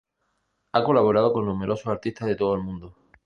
Ha colaborado con numerosos artistas de todo el mundo.